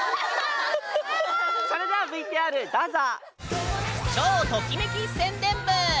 それではＶＴＲどうぞ！